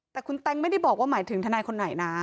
แต่คุณแต๊งไม่ได้บอกว่าหมายถึงทนายคนไหนนะ